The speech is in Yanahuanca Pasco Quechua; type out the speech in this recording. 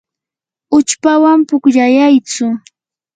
uchpawan pukllayaytsu.